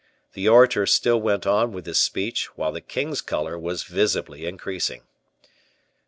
The orator still went on with his speech, while the king's color was visibly increasing.